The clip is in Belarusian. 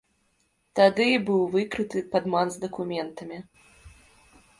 Тады і быў выкрыты падман з дакументамі.